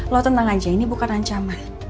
lo tenang aja ini bukan ancaman